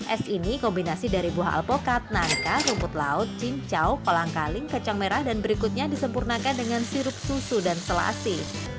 es ini kombinasi dari buah alpukat nangka rumput laut cincau kolang kaling kacang merah dan berikutnya disempurnakan dengan sirup susu dan selasi